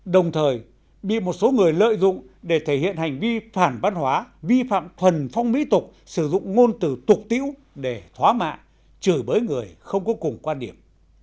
đồng thời bị một số người lợi dụng để thể hiện hành vi phản văn hóa vi phạm thuần phong mỹ tục sử dụng ngôn từ tục tiễu để thóa mạ chửi bới người không có cùng quan điểm